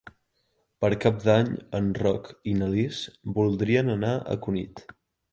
Per Cap d'Any en Roc i na Lis voldrien anar a Cunit.